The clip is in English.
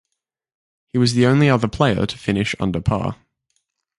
He was the only other player to finish under par.